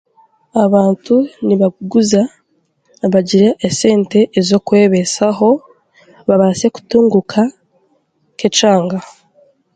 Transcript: Abantu nibakuguza bagire esente z'okwebaisaho babaase kutunguka nk'ekyanga